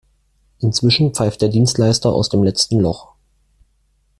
Inzwischen pfeift der Dienstleister aus dem letztem Loch.